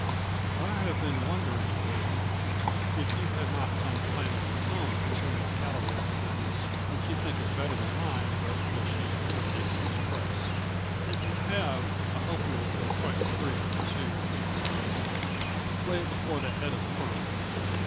"I have been wondering, William, if you had not some plan of your own concerning this cattle raising business, which you think is better than mine but which you hesitate to express. If you have, I hope you will feel quite free to er lay it before the head of the firm.